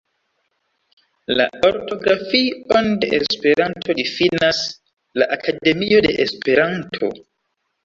La ortografion de Esperanto difinas la Akademio de Esperanto.